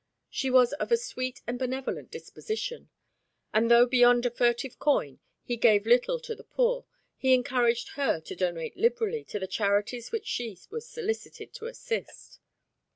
She was of a sweet and benevolent disposition, and though beyond a furtive coin he gave little to the poor, he encouraged her to donate liberally to the charities which she was solicited to assist.